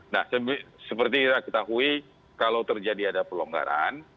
nah seperti kita ketahui kalau terjadi ada pelonggaran